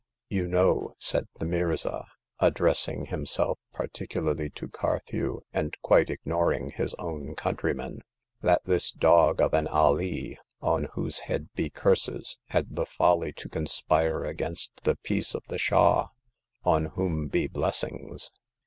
You know," said the Mirza, addressing him self particularly to Carthew, and quite ignoring his own countryman, that this dog of an Alee, on whose head be curses ! had the folly to con spire against the peace of the Shah — on whom be blessings